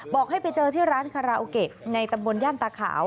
บอกให้ไปเจอที่ร้านคาราโอเกะในตำบลย่านตาขาว